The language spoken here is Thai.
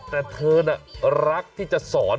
แต่เธอน่ะรักที่จะสอน